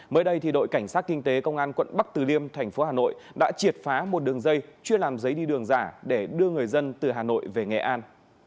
mới đây đội cảnh sát kinh tế công an quận bắc từ liêm thành phố hà nội đã triệt phá một đường dây chưa làm giấy đi đường giả để đưa người dân từ hà nội về nghệ an